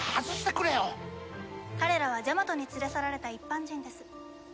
彼らはジャマトに連れ去られた一般人です。